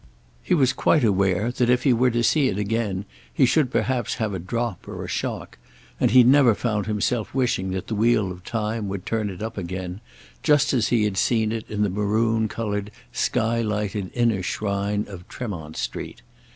He was quite aware that if he were to see it again he should perhaps have a drop or a shock, and he never found himself wishing that the wheel of time would turn it up again, just as he had seen it in the maroon coloured, sky lighted inner shrine of Tremont Street.